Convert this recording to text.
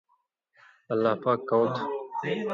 اللہ پاک کؤں تُھو؟